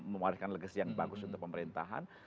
memuatkan legacy yang bagus untuk pemerintahan